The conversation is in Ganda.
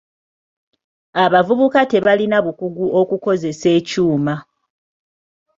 Abavubuka tebalina bukugu okukozesa ekyuma.